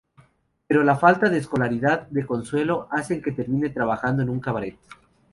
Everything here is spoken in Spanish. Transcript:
Pero la falta de escolaridad de Consuelo hacen que termine trabajando en un cabaret.